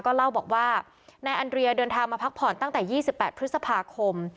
เล่าบอกว่านายอันเรียเดินทางมาพักผ่อนตั้งแต่๒๘พฤษภาคม